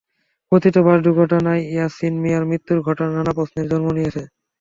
কথিত বাস দুর্ঘটনায় ইয়াছিন মিয়ার মৃত্যুর ঘটনা নানা প্রশ্নের জন্ম দিয়েছে।